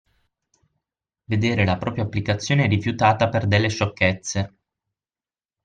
Vedere la propria applicazione rifiutata per delle sciocchezze